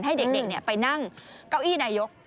ให้เด็กไปนั่งเก้าอี้นายก